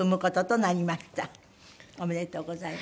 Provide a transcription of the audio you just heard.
おめでとうございます。